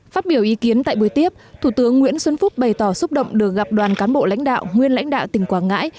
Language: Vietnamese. phát biểu ý kiến tại buổi tiếp thủ tướng nguyễn xuân phúc bày tỏ xúc động được gặp đoàn cán bộ lãnh đạo nguyên lãnh đạo tỉnh quảng ngãi